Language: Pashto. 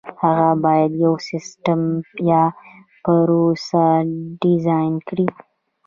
هغه باید یو سیسټم یا پروسه ډیزاین کړي.